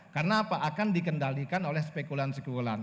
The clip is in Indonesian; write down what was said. karena apa akan dikendalikan oleh spekulan spekulan